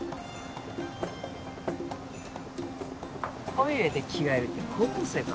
トイレで着替えるって高校生か。